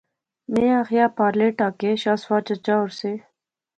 میں آخیا، پارلے ٹہا کے شاہ سوار چچا اور سے